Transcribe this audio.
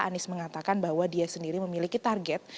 anies mengatakan bahwa dia sendiri memiliki target